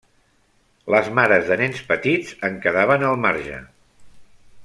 Les mares de nens petits en quedaven al marge.